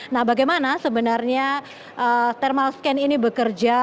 nah bagaimana sebenarnya thermal scan ini bekerja